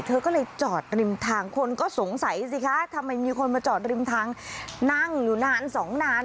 เธอก็เลยจอดริมทางคนก็สงสัยสิคะทำไมมีคนมาจอดริมทางนั่งอยู่นานสองนาน